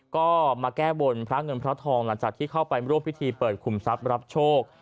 ก็มาแก้บนพระเงินพระทองหลังจากที่เข้าไปร่วมพิธีเปิดขุมทรัพย์รับโชค